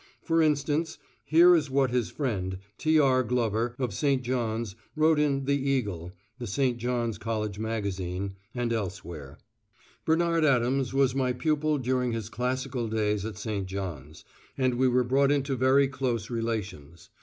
For instance, here is what his friend, T. R. Glover, of St John's, wrote in The Eagle (the St John's College magazine) and elsewhere: "Bernard Adams was my pupil during his Classical days at St John's, and we were brought into very close relations.